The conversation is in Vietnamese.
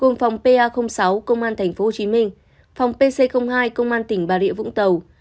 gồm phòng pa sáu công an tp hcm phòng pc hai công an tỉnh bà rịa vũng tàu